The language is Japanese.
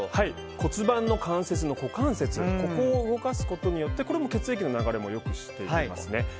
骨盤の関節の股関節を動かすことによってこれも血液の流れを良くしていきますね。